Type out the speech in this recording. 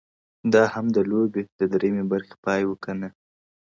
o دا هم د لوبي. د دريمي برخي پای وو. که نه.